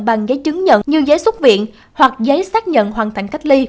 bằng giấy chứng nhận như giấy xuất viện hoặc giấy xác nhận hoàn thành cách ly